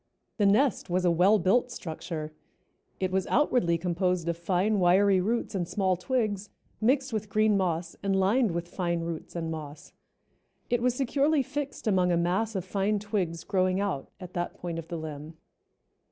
The nest was a well built structure. It was outwardly composed of fine, wiry roots and small twigs, mixed with green moss and lined with fine roots and moss. It was securely fixed among a mass of fine twigs growing out at that point of the limb.